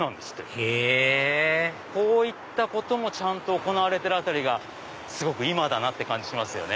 へぇこういったこともちゃんと行われてるあたりがすごく今だなって感じしますね。